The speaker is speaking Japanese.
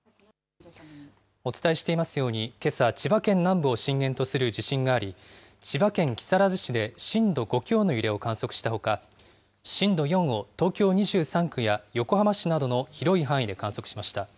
お伝えしていますように、けさ、千葉県南部を震源とする地震があり、千葉県木更津市で震度５強の揺れを観測したほか、震度４を東京２３区や横浜市などの広い範囲で観測しました。